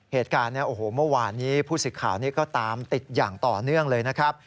เหตุการณ์เนี่ยโอ้โหเมื่อวานนี้ผู้สิทธิ์ข่าวนี้ก็ตามติดอย่างต่อเนื่องเลยนะครับ